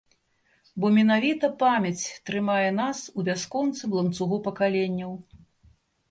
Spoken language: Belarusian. Бо менавіта памяць трымае нас у бясконцым ланцугу пакаленняў.